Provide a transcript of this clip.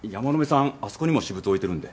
あそこにも私物置いてるんで。